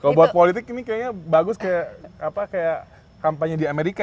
kalau buat politik ini kayaknya bagus kayak kampanye di amerika